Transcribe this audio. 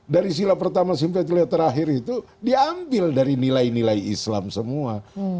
dari sila pertama simpatilia terakhir itu diambil dari nilai nilai islam semua